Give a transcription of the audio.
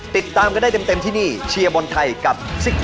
ติดตามกันได้เต็มที่นี่เชียร์บอลไทยกับซิก